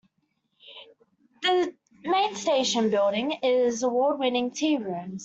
The main station building is the award-winning Tea Rooms.